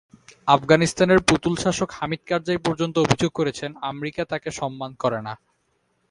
আফগানিস্তানের পুতুল শাসক হামিদ কারজাই পর্যন্ত অভিযোগ করেছেন, আমেরিকা তাঁকে সম্মান করে না।